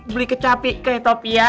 beli kecapi ke etopia